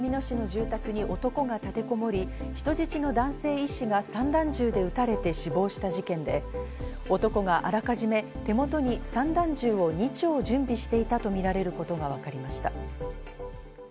埼玉県ふじみ野市の住宅に男が立てこもり、人質の男性医師が散弾銃で撃たれ死亡した事件で、男があらかじめ、手元に散弾銃を２丁準備していたとみられることがわかりました。